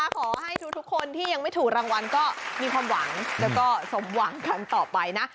ขอให้ทุกคนที่ยังไม่ถูกรางวัลก็มีความหวังแล้วก็สมหวังกันต่อไปนะ